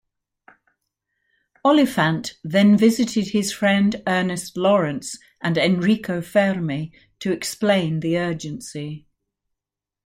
Oliphant then visited his friend Ernest Lawrence and Enrico Fermi to explain the urgency.